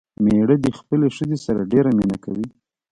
مېړه دې خپلې ښځې سره ډېره مينه کوي